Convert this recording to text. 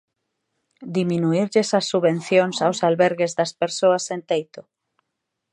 ¿Diminuírlles as subvencións aos albergues das persoas sen teito?